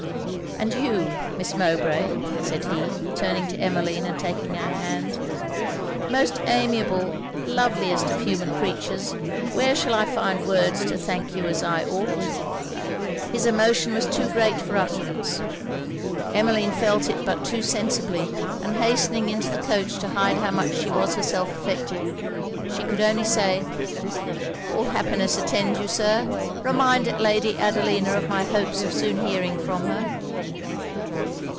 And you, Miss Mowbray,' said he, turning to Emmeline and taking her hand 'most amiable, loveliest of human creatures! where shall I find words to thank you as I ought?' His emotion was too great for utterance. Emmeline felt it but too sensibly; and hastening into the coach to hide how much she was herself affected, she could only say 'All happiness attend you, Sir! Remind Lady Adelina of my hopes of soon hearing from her.'